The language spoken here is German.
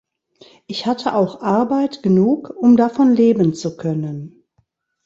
Ich hatte auch Arbeit genug, um davon leben zu können.